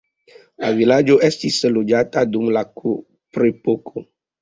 La vilaĝo estis loĝata dum la kuprepoko.